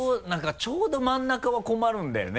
ちょうど真ん中は困るんだよね。